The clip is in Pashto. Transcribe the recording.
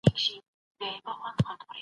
لويه جرګه د خلګو تر منځ واټن کموي.